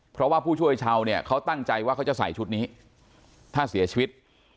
เพราะว่าผู้ช่วยชาวเนี่ยเขาตั้งใจว่าเขาจะใส่ชุดนี้ถ้าเสียชีวิต